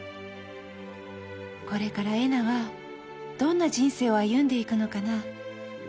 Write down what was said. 「これからえなはどんな人生を歩んでいくのかな。